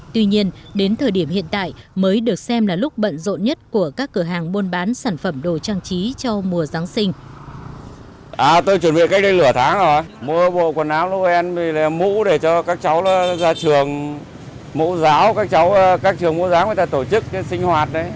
tuy nhiên đến thời điểm hiện tại mới được xem là lúc bận rộn nhất của các cửa hàng buôn bán sản phẩm đồ trang trí cho mùa giáng sinh